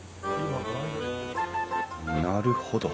なるほど。